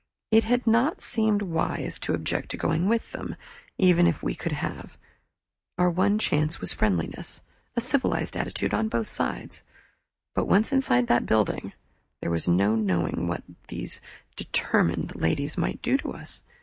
It had not seemed wise to object to going with them, even if we could have; our one chance was friendliness a civilized attitude on both sides. But once inside that building, there was no knowing what these determined ladies might do to us.